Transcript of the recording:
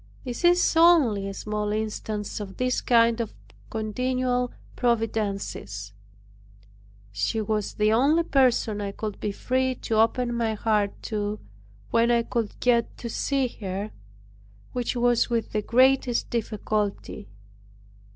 This is only a small instance of these kind of continual providences. She was the only person I could be free to open my heart to, when I could get to see her, which was with the greatest difficulty.